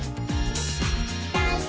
「ダンス！